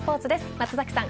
松崎さん